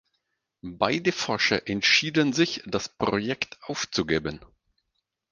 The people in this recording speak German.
Beide Forscher entschieden sich, das Projekt aufzugeben.